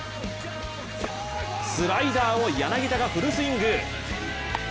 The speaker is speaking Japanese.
スライダーを柳田がフルスイング。